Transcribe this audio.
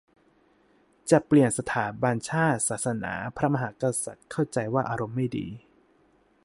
จะเปลี่ยนสถาบันชาติ ศาสนา พระมหากษัตริย์ เข้าใจว่าอารมณ์ไม่ดี